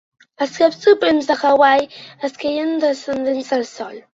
Els caps suprems de Hawaii es creien descendents del Sol.